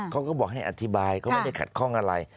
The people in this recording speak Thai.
เขาก็บอกให้อธิบายเขาไม่ได้ขัดข้องอะไร